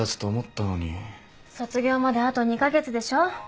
卒業まであと２カ月でしょ。